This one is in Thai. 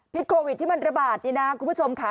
โควิดที่มันระบาดนี่นะคุณผู้ชมค่ะ